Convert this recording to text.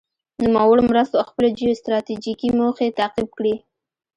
نوموړو مرستو خپل جیو ستراتیجیکې موخې تعقیب کړې.